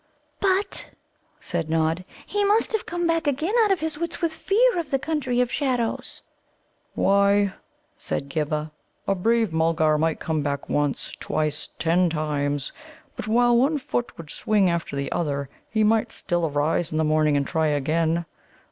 "But," said Nod, "he must have come back again out of his wits with fear of the Country of Shadows." "Why," said Ghibba, "a brave Mulgar might come back once, twice, ten times; but while one foot would swing after the other, he might still arise in the morning and try again.